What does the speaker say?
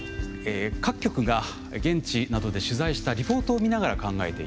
各局が現地などで取材したリポートを見ながら考えていきます。